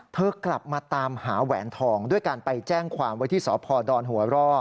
กลับมาตามหาแหวนทองด้วยการไปแจ้งความไว้ที่สพดหัวร่อ